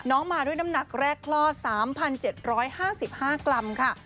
มาด้วยน้ำหนักแรกคลอด๓๗๕๕กรัมค่ะ